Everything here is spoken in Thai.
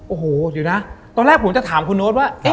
โอ้โหเดี๋ยวนะตอนแรกผมจะถามคุณโน๊ตว่า